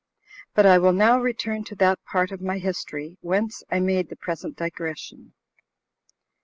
But I will now return to that part of my history whence I made the present digression.